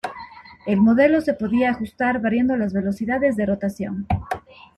El modelo se podía ajustar variando las velocidades de rotación.